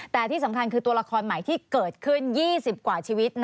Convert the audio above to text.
แต่ที่สำคัญคือตัวละครใหม่ที่เกิดขึ้น๒๐กว่าชีวิต